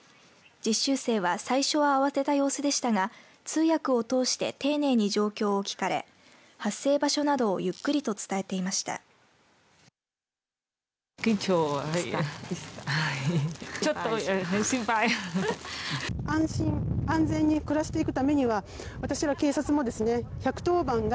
実習生は最初は慌てた様子でしたが通訳を通して丁寧に状況を聞かれ発生場所などをゆっくりと伝えていました。